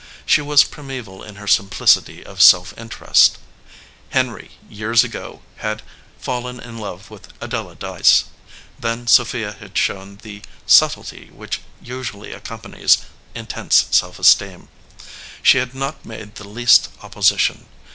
She was primeval in her simplicity of self interest. Henry years ago had fallen in love with Adela Dyce. Then Sophia had shown the subtlety which usually accompanies intense self esteem. She had not made the least opposition.